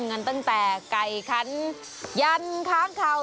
กันตั้งแต่ไก่คันยันค้างเข่า